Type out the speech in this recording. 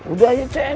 udah ya ceng